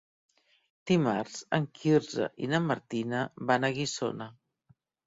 Dimarts en Quirze i na Martina van a Guissona.